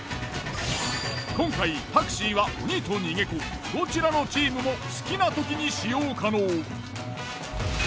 今回タクシーは鬼と逃げ子どちらのチームも好きなときに使用可能。